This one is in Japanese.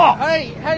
はい！